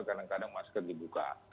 kadang kadang masker dibuka